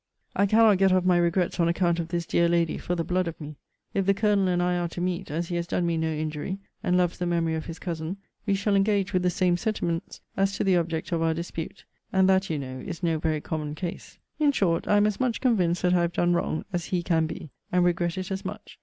I cannot get off my regrets on account of this dear lady for the blood of me. If the Colonel and I are to meet, as he has done me no injury, and loves the memory of his cousin, we shall engage with the same sentiments, as to the object of our dispute; and that, you know, is no very common case. In short, I am as much convinced that I have done wrong, as he can be; and regret it as much.